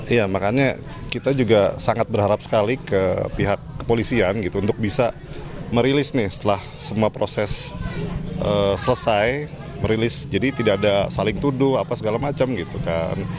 iya makanya kita juga sangat berharap sekali ke pihak kepolisian gitu untuk bisa merilis nih setelah semua proses selesai merilis jadi tidak ada saling tuduh apa segala macam gitu kan